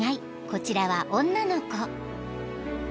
こちらは女の子］